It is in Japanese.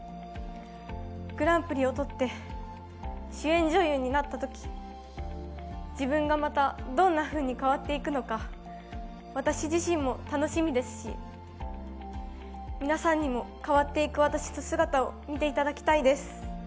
グランプリを取って主演女優になったとき、自分がまたどんなふうに変わっていくのか、私自身も楽しみですし、皆さんにも変わっていく私の姿を見ていただきたいです。